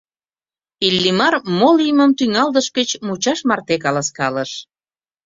Иллимар мо лиймым тӱҥалтыш гыч мучаш марте каласкалыш.